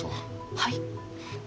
はい？